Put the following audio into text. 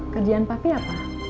kerjaan papi apa